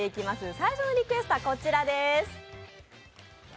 最初のリクエストはこちらです。